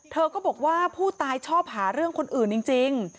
เธอก็บอกว่าผู้ตายชอบหาเรื่องคนอื่นจริง